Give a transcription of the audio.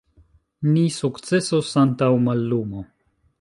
Ni sukcesos antaŭ mallumo.